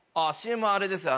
ＣＭあれです。